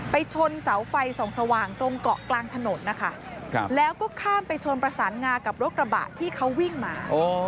ชนเสาไฟส่องสว่างตรงเกาะกลางถนนนะคะแล้วก็ข้ามไปชนประสานงากับรถกระบะที่เขาวิ่งมา